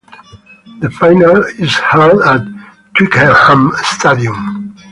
The final is held at Twickenham Stadium.